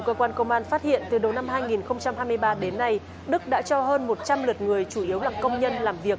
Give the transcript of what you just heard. cơ quan công an phát hiện từ đầu năm hai nghìn hai mươi ba đến nay đức đã cho hơn một trăm linh lượt người chủ yếu là công nhân làm việc